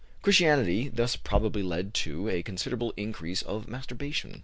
Christianity thus probably led to a considerable increase of masturbation.